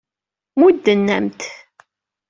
Mudden-am-t.